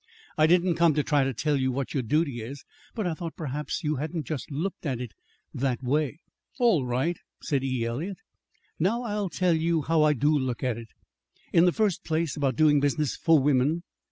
I didn't come to try to tell you what your duty is, but I thought perhaps you hadn't just looked at it that way." "All right," said E. Eliot. "Now I'll tell you how I do look at it. In the first place, about doing business for women.